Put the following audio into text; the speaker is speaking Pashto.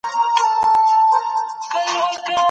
زيد بن اسلم رضي الله عنه فرمايي.